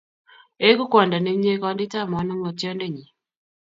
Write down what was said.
Egu kwondo ne myee konditap manong'otyondennyi.